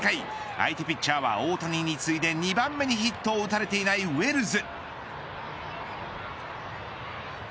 相手ピッチャーは、大谷に次いで２番目にヒットを打たれていないウェルズ。